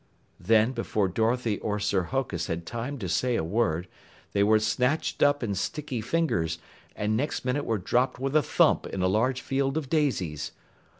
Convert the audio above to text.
Then, before Dorothy or Sir Hokus had time to way a word, they were snatched up in sticky fingers and next minute were dropped with a thump in a large field of daisies.